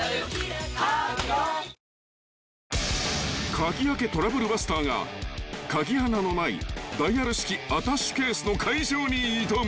［鍵開けトラブルバスターが鍵穴のないダイヤル式アタッシェケースの解錠に挑む］